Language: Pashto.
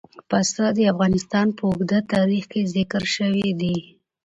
پسه د افغانستان په اوږده تاریخ کې ذکر شوي دي.